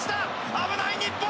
危ない日本！